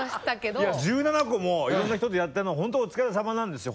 いや１７個もいろんな人とやったのはホントお疲れさまなんですよ。